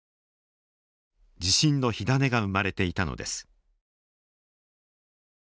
地震の火種が生まれていたのです。